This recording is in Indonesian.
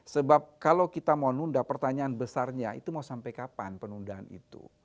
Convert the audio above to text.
sebab kalau kita mau nunda pertanyaan besarnya itu mau sampai kapan penundaan itu